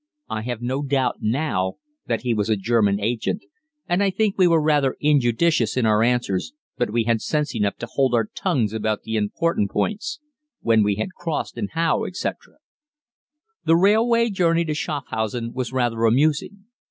I have no doubt now that he was a German agent, and I think we were rather injudicious in our answers, but we had sense enough to hold our tongues about the important points when we crossed, and how, etc. The railway journey to Schafhausen was rather amusing.